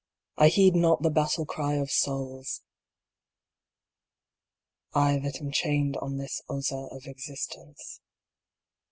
I heed not the battle cry of souls ! I that am chained on this Ossa of existence.